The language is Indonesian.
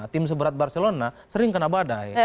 tim seberat barcelona sering kena badai